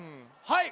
はい！